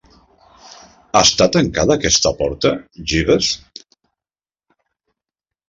Està tancada aquesta porta, Jeeves?